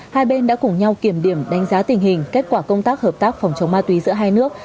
hai bên đã cùng nhau kiểm điểm đánh giá tình hình kết quả công tác hợp tác phòng chống ma túy giữa hai nước